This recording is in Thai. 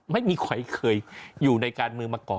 มีไขเคยอยู่ในการเมืองมาก่อน